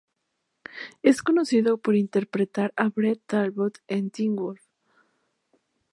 Es conocido por interpretar a Brett Talbot en "Teen Wolf".